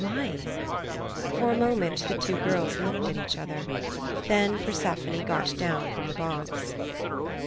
Why? For a moment the two girls looked at each other. Then Persephone got down from the box.